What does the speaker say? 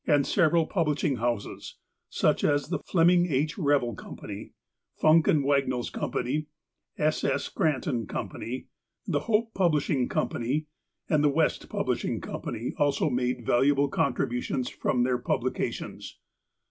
and several publishing houses, such as the Fleming H. Eevell Co., Funk & Wagnalls Co., S. S. Scranton Co., The Hope Pub lishing Co., and the West Publishing Co. also made valuable contributions from their publications.